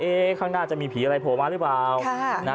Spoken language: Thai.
ข้างหน้าจะมีผีอะไรโผล่มาหรือเปล่า